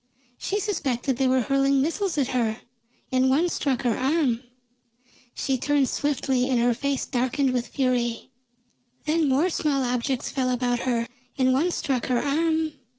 She suspected they were hurling missiles at her, and one struck her arm. She turned swiftly and her face darkened with fury. Then more small objects fell about her, and one struck her arm.